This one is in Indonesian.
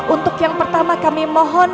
untuk yang pertama kami mohon